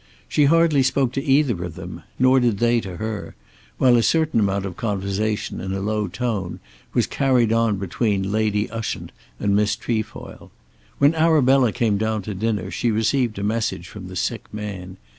She hardly spoke to either of them; nor did they to her; while a certain amount of conversation in a low tone was carried on between Lady Ushant and Miss Trefoil. When Arabella came down to dinner she received a message from the sick man.